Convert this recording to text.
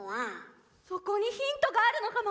そこにヒントがあるのかも。